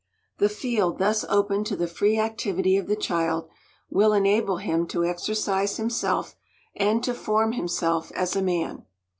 The field thus opened to the free activity of the child will enable him to exercise himself and to form himself as a man.